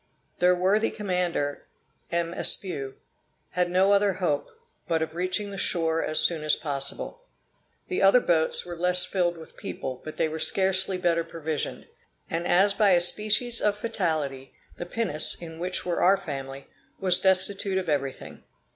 Their worthy commander, M. Espiau, had no other hope but of reaching the shore as soon as possible. The other boats were less filled with people, but they were scarcely better provisioned; and as by a species of fatality, the pinnace, in which were our family, was destitute of everything.